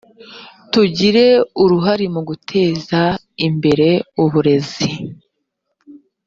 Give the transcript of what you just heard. tugire uruhare mu guteza imbere uburezi .